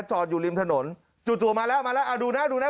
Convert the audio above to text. จอดอยู่ริมถนนจู่มาแล้วมาแล้วอ่ะดูหน้าดูหน้า